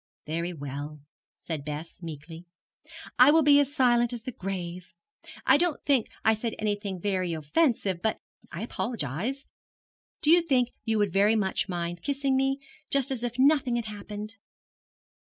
'Very well,' said Bess, meekly, 'I will be as silent as the grave. I don't think I said anything very offensive, but I apologize. Do you think you would very much mind kissing me, just as if nothing had happened?'